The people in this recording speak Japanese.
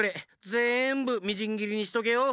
ぜんぶみじんぎりにしとけよ！